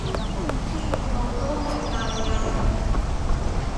全部都係扮㗎！